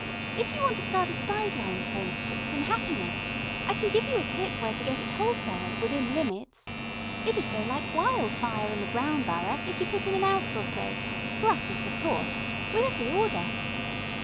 If you want to start a side line, for instance, in Happiness, I can give you a tip where to get it wholesale, within limits. It'd go like wildfire in the Brown Borough, if you put in an ounce or two, gratis of course, with every order."